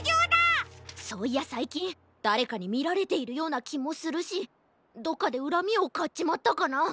そういやさいきんだれかにみられているようなきもするしどっかでうらみをかっちまったかな？